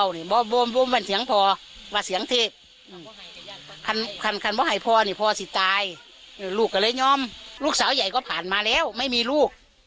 ร่างเนี่ยต้องตายไปลูกก็เลยยอมลูกสาวใหญ่ก็ผ่านมาแล้วไม่มีลูก